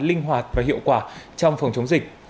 linh hoạt và hiệu quả trong phòng chống dịch